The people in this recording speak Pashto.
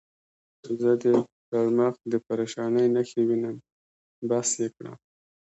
زه دې پر مخ د پرېشانۍ نښې وینم، بس یې کړه.